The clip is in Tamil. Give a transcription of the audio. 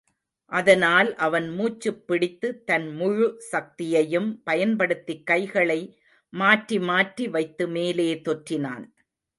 அதனால் அவன் மூச்சுப் பிடித்து, தன் முழு சக்தியையும் பயன்படுத்திக் கைகளை மாற்றிமாற்றி வைத்து மேலே தொற்றினான்.